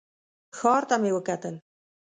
ښار ته مې وکتل.